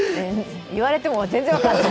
言われても全然分かんない。